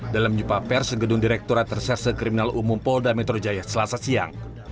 dalam jumpa pers di gedung direkturat reserse kriminal umum polda metro jaya selasa siang